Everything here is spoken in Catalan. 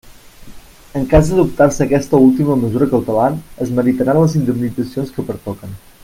En cas d'adoptar-se aquesta última mesura cautelar, es meritaran les indemnitzacions que pertoquen.